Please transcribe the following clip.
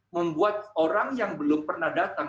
membuat orang yang belum pernah datang